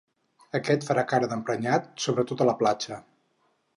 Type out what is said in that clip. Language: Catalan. Aquest fa cara d'emprenyat, sobretot a la platja.